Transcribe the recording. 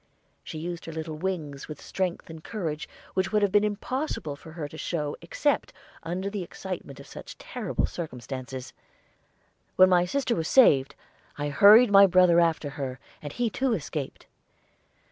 She used her little wings with strength and courage which would have been impossible for her to show except under the excitement of such terrible circumstances. When my sister was saved, I hurried my brother after her, and he too escaped.